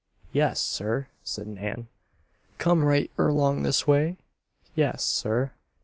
"Yes, sir," said Nan. "Come right erlong this way?" "Yes, sir."